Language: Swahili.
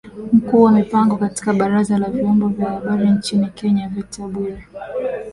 Mkuu wa mipango katika baraza la vyombo vya habari nchini Kenya Victor Bwire